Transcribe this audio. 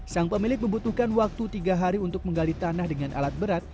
sang pemilik membutuhkan waktu tiga hari untuk menggali tanah dengan alat berat